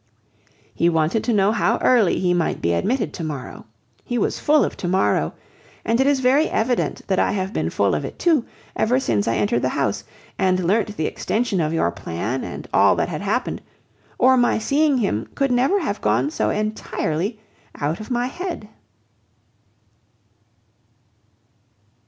He wanted to know how early he might be admitted to morrow. He was full of 'to morrow,' and it is very evident that I have been full of it too, ever since I entered the house, and learnt the extension of your plan and all that had happened, or my seeing him could never have gone so entirely out of my head."